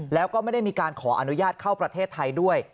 แล้วก็ไม่ได้มีการขออนุญาตเข้าประเทศไทยด้วย